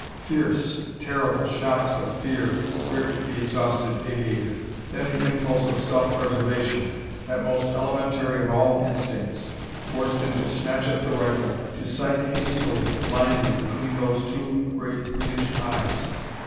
Fierce, terrible shocks of fear gripped the exhausted aviator. Then the impulse of self preservation, that most elementary of all instincts, forced him to snatch up the rifle, to sight hastily, blindly, between those two, great greenish eyes.